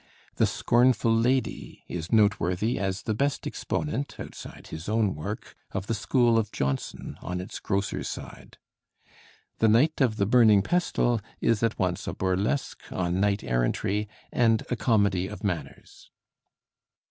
'The Scornful Lady' is noteworthy as the best exponent, outside his own work, of the school of Jonson on its grosser side. 'The Knight of the Burning Pestle' is at once a burlesque on knight errantry and a comedy of manners.